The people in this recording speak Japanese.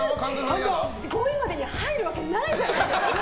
５位までに入るわけないじゃないですか！